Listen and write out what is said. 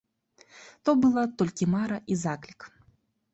То была толькі мара і заклік.